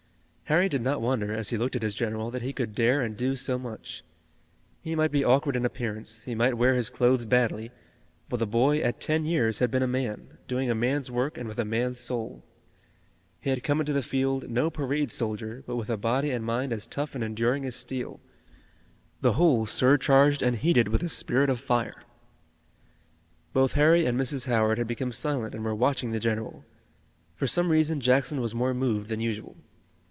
Harry did not wonder, as he looked at his general, that he could dare and do so much. He might be awkward in appearance, he might wear his clothes badly, but the boy at ten years had been a man, doing a man's work and with a man's soul. He had come into the field, no parade soldier, but with a body and mind as tough and enduring as steel, the whole surcharged and heated with a spirit of fire. Both Harry and Mrs. Howard had become silent and were watching the general. For some reason Jackson was more moved than usual.